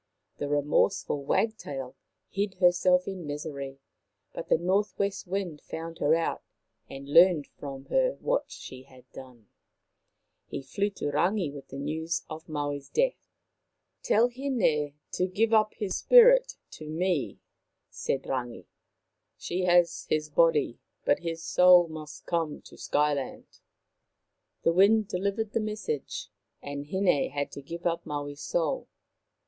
The remorseful wagtail hid herself in misery, but the North west Wind found her out and learned from her what she had done. He flew to Rangi with the news of Maui's death. " Tell Hin6 to give up his spirit to me," said ioo Maoriland Fairy Tales Rangi. " She has his body, but his soul must come to Sky land." The Wind delivered the message, and Hin6 had to give up Maui's soul.